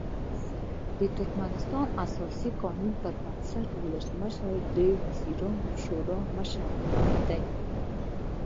د ترکمنستان اساسي قانون پر بنسټ ولسمشر د وزیرانو شورا مشر هم دی.